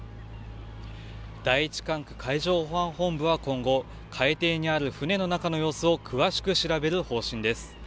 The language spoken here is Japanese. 第１管区海上保安本部は今後、海底にある船の中の様子を詳しく調べる方針です。